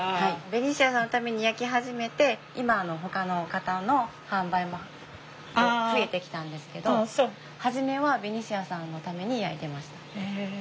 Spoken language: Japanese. ベニシアさんのために焼き始めて今ほかの方の販売も増えてきたんですけど初めはベニシアさんのために焼いてました。